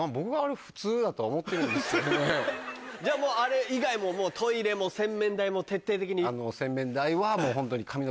じゃあもうあれ以外ももうトイレも洗面台も徹底的に？